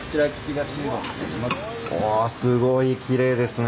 ああすごいきれいですね。